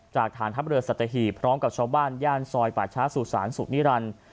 จากฐานธรรมเรือสัตเทฮีพร้อมกับชาวบ้านย่านซอยปาชาสุสานสุขนิรันดร์